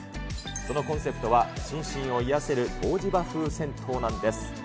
そのコンセプトは心身を癒やせる湯治場風銭湯なんです。